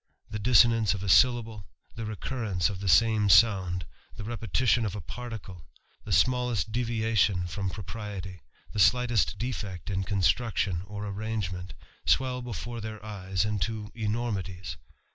The dissonance of a syllable, the recurrence of the same sound, iie repetition of a particle, the smallest deviation from propriety, the slightest defect in construction or arrange ment, swell before their eyes into enormities.